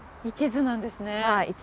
一途なんですね。